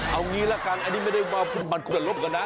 เอางี้ล่ะกันอันนี้ไม่ได้มาบรรคุณรบกันนะ